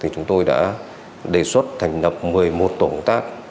chúng tôi đã đề xuất thành lập một mươi một tổ công tác